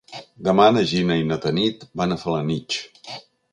Demà na Gina i na Tanit van a Felanitx.